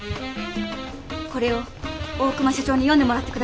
これを大熊社長に読んでもらってください。